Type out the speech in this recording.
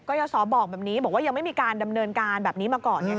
ยศบอกแบบนี้บอกว่ายังไม่มีการดำเนินการแบบนี้มาก่อน